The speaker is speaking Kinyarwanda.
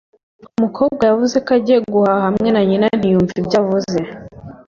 Umukobwa yavuze ko agiye guhaha hamwe na nyina ntiyumva ibyo navuze